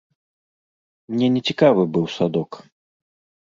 Мне нецікавы быў садок.